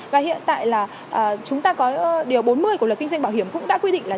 và hiện tại là chúng ta có điều bốn mươi của luật kinh doanh bảo hiểm cũng đã quy định là